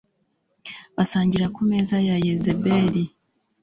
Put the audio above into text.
basangirira ku meza ya Yezebeli